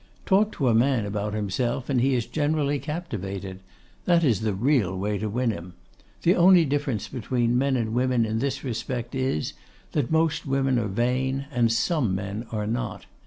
Talk to a man about himself, and he is generally captivated. That is the real way to win him. The only difference between men and women in this respect is, that most women are vain, and some men are not.